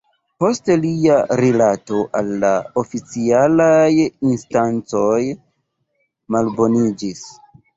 Poste lia rilato al la oficialaj instancoj malboniĝis.